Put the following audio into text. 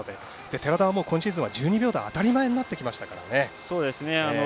寺田は今シーズンは１２秒台は当たり前になってきましたからね。